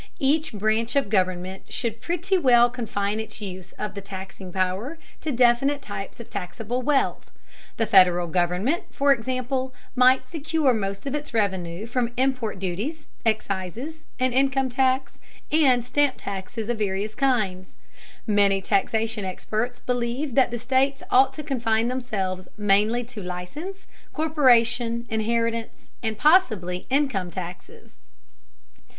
Each branch of government should pretty well confine its use of the taxing power to definite types of taxable wealth. The Federal government, for example, might secure most of its revenue from import duties, excises, an income tax, and stamp taxes of various kinds. Many taxation experts believe that the states ought to confine themselves mainly to license, corporation, inheritance, and, possibly, income taxes.